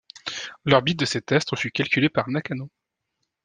L'orbite de cet astre fut calculée par Nakano.